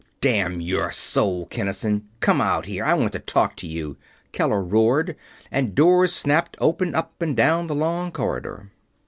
"Damn your soul, Kinnison, come out here I want to talk to you!" Keller roared, and doors snapped open up and down the long corridor.